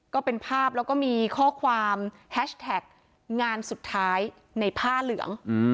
ก็เป็นภาพแล้วก็มีข้อความแฮชแท็กงานสุดท้ายในผ้าเหลือง